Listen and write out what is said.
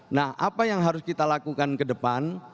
nah apa yang harus kita lakukan ke depan